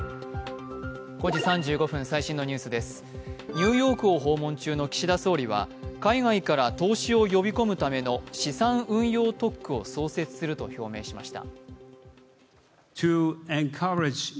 ニューヨークを訪問中の岸田総理は海外からの投資を呼び込むための資産運用特区を創設すると表明しました。